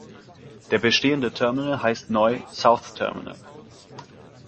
Der bestehende Terminal heißt neu South-Terminal.